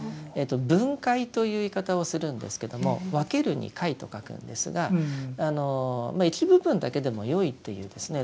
「分戒」という言い方をするんですけども「分ける」に「戒」と書くんですが一部分だけでもよいというですね